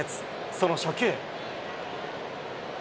その初球。